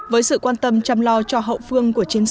với sự quan tâm chăm lo cho hậu phương